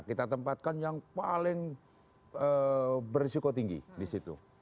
kita tempatkan yang paling berisiko tinggi disitu